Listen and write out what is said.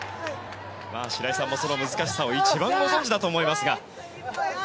白井さんもその難しさを一番ご存じかと思いますが。